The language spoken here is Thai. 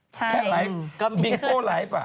ใช่อืมคือบิงโก้ไลฟ์อ่ะ